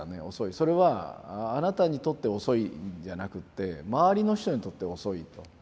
それはあなたにとって遅いんじゃなくって周りの人にとって遅いと。